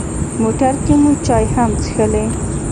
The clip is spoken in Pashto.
موټر کې مو چای هم څښلې.